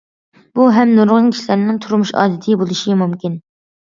بۇ ھەم نۇرغۇن كىشىلەرنىڭ تۇرمۇش ئادىتى بولۇشى مۇمكىن.